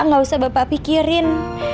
tidak usah bapak pikirin